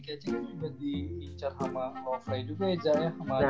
keceng juga diincar sama lofrey juga aja ya